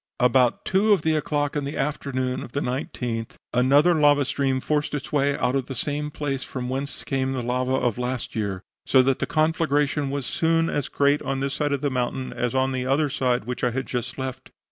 "About two of the clock in the afternoon (19th) another lava stream forced its way out of the same place from whence came the lava of last year, so that the conflagration was soon as great on this side of the mountain as on the other which I had just left.